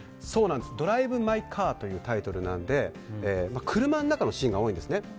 「ドライブ・マイ・カー」というタイトルなので車の中のシーンが多いんですね。